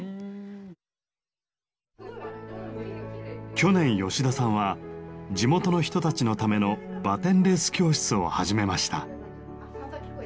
去年吉田さんは地元の人たちのためのバテンレース教室を始めました。